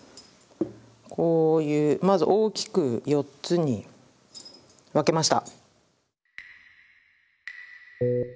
こういうまず大きく４つに分けました。